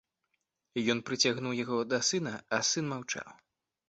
Ён прыцягнуў яго да сына, а сын маўчаў.